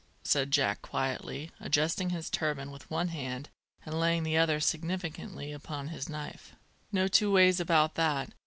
said Jack quietly, adjusting his turban with one hand and laying the other significantly upon his knife. "No two ways about that!